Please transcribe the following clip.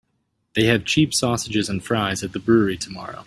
They have cheap sausages and fries at the brewery tomorrow.